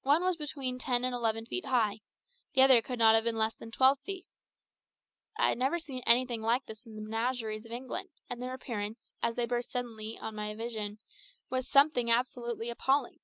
One was between ten and eleven feet high, the other could not have been less than twelve feet. I had never seen anything like this in the menageries of England, and their appearance, as they burst thus suddenly on my vision, was something absolutely appalling.